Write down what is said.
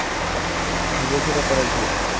ধীরে করে ঘুরো।